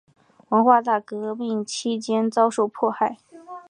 文化大革命期间遭受迫害。